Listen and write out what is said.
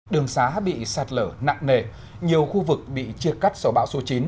đường xá bị sạt lở nặng nề nhiều khu vực bị chia cắt sau bão số chín